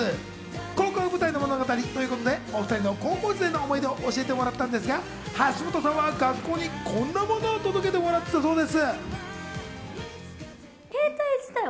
高校が舞台の話でお互いに高校時代の思い出を教えてもらったんですが、橋本さんは学校にこんなものを届けてもらったそうです。